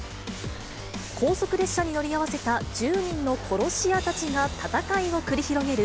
高速列車に乗り合わせた１０人の殺し屋たちが戦いを繰り広げる